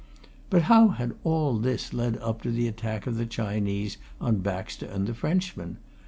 But how had all this led up to the attack of the Chinese on Baxter and the Frenchman?